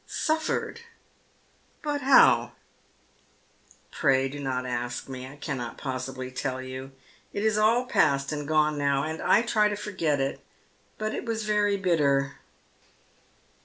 " Suffered'? But how ?"" Pray do not ask me. I cannot possibly tell you. It is all pftst and gone now, and I try to forget it. But it was very bitter."